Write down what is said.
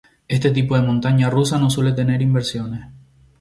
Este tipo de montaña rusa no suele tener inversiones.